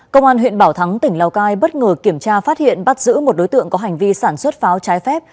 công an huyện bảo thắng tỉnh lào cai bất ngờ kiểm tra phát hiện bắt giữ một đối tượng có hành vi sản xuất pháo trái phép